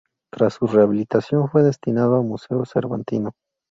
Tras su rehabilitación fue destinado a Museo Cervantino.